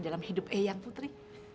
dalam hidup eyang putri